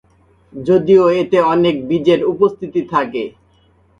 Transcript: যদিও এতে অনেক বীজের উপস্থিতি থাকে।